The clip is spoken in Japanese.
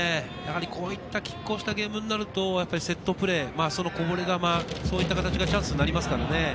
こういったきっ抗したゲームになるとセットプレー、そのこぼれ球、そういった形がチャンスになりますからね。